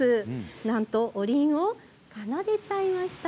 なんと、おりんを奏でてしまいました。